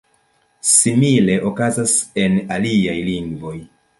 Simile okazas en aliaj lingvoj.